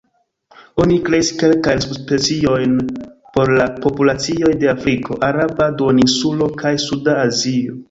Oni kreis kelkajn subspeciojn por la populacioj de Afriko, Araba Duoninsulo kaj Suda Azio.